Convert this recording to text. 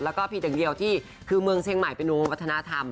แล้วก็พีทเดียวที่คือเมืองเชียงใหม่เป็นมุมวัฒนธรรม